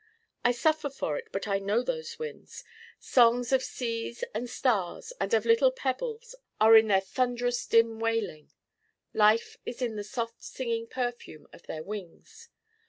I suffer for it but I know those winds: songs of seas and stars and of little pebbles are in their thunderous dim wailing: life is in the soft stinging perfume of their wings.